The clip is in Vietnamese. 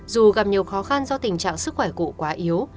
dù gặp nhiều khó khăn do tình trạng sức khỏe cụ quá yếu